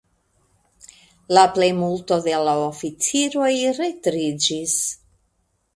La plejmulto de la oficiroj retriĝis.